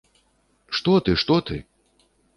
Што ты, што ты!